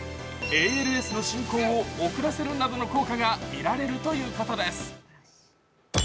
ＡＬＳの進行を遅らせるなどの効果がいｍられるということです。